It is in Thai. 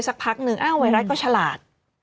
สักพักนึงอ้าวไวรัสก็ฉลาด